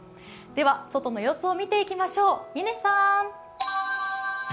では外の様子を見ていきましょう、嶺さん。